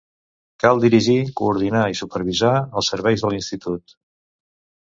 Cal dirigir, coordinar i supervisar els serveis de l'Institut.